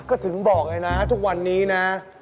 ก็ถึงบอกเลยนะทุกวันนี้นะ